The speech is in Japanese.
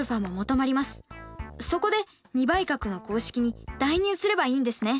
そこで２倍角の公式に代入すればいいんですね。